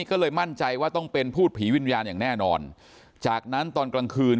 ก็เลยมั่นใจว่าต้องเป็นพูดผีวิญญาณอย่างแน่นอนจากนั้นตอนกลางคืน